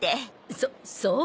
そそう。